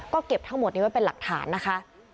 ก็เก็บทั้งหมดนี้ไว้เป็นหลักฐานนะคะ